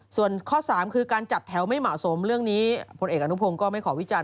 ส่วนข้อ๓คือการจัดแถวไม่เหมาะสมเรื่องนี้พลเอกอนุพงศ์ก็ไม่ขอวิจารณ